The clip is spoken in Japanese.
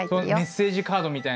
メッセージカードみたいな。